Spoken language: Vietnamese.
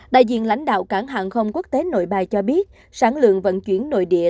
đại diện lãnh đạo cảng hàng không quốc tế nội bài cho biết sản lượng vận chuyển nội địa